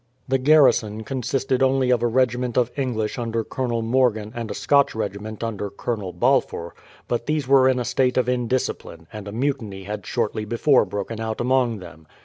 The garrison consisted only of a regiment of English under Colonel Morgan and a Scotch regiment under Colonel Balfour, but these were in a state of indiscipline, and a mutiny had shortly before broken out among them.